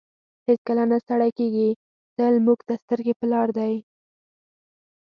هېڅکله نه ستړی کیږي تل موږ ته سترګې په لار دی.